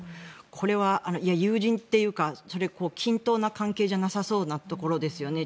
これはいや、友人というか均等な関係じゃなさそうなところですよね。